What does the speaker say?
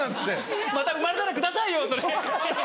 また生まれたらくださいよそれ。